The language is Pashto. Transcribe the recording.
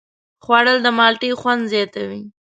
خوړل د مالټې خوند زیاتوي